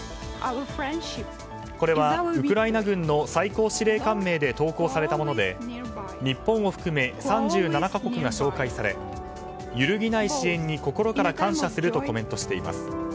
これはウクライナ軍の最高司令官名で投稿されたもので日本を含め３７か国が紹介されゆるぎない支援に心から感謝するとコメントしています。